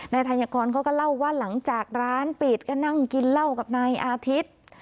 ธัญกรเขาก็เล่าว่าหลังจากร้านปิดก็นั่งกินเหล้ากับนายอาทิตย์